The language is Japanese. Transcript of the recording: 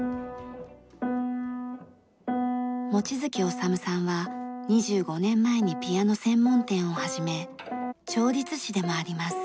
望月治さんは２５年前にピアノ専門店を始め調律師でもあります。